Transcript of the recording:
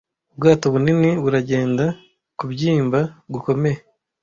ubwato bunini buragenda kubyimba gukomeye